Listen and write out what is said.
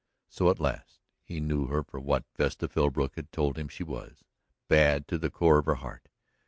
So at last he knew her for what Vesta Philbrook had told him she was bad to the core of her heart.